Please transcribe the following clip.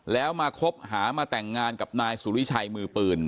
แล้วมาคบหามาแต่งงานกับนายสุริชัยมือปืน